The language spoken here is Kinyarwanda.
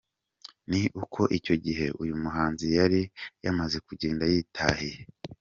com ni uko icyo gihe uyu muhanzi yari yamaze kugenda yitahiye.